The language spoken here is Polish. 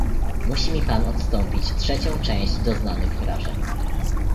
"Musi mi pan odstąpić trzecią część doznanych wrażeń."